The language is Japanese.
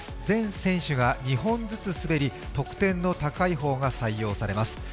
全選手が２本ずつ滑り得点の高い方が採用されます。